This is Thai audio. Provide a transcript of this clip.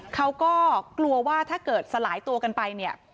เขาก็กลัวว่าถ้าเกิดสลายตัวกันไปเนี่ย